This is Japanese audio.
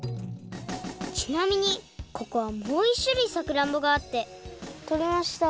ちなみにここはもういっしゅるいさくらんぼがあってとれました。